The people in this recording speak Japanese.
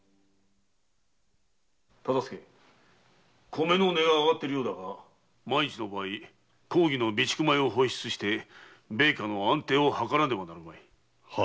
米の値が上がっているようだが万一の場合公儀の備蓄米を放出して米価の安定を計らねばなるまい。